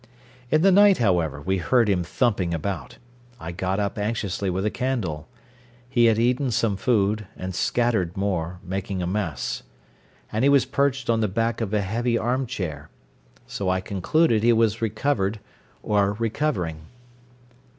In the night, however, we heard him thumping about. I got up anxiously with a candle. He had eaten some food, and scattered more, making a mess. And he was perched on the back of a heavy arm chair. So I concluded he was recovered, or recovering.